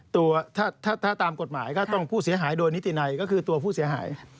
ตัวถ้าตามกฎหมายก็ต้องผู้เสียหายโดยนิตินัยก็คือตัวผู้เสียหาย